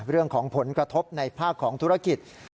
เรื่องของผลกระทบในภาคของธุรกิจ